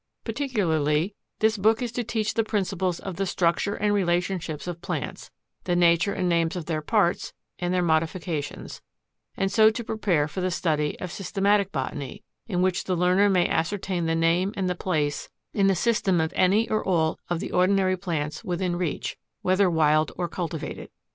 Particularly, this book is to teach the principles of the structure and relationships of plants, the nature and names of their parts and their modifications, and so to prepare for the study of Systematic Botany; in which the learner may ascertain the name and the place in the system of any or all of the ordinary plants within reach, whether wild or cultivated.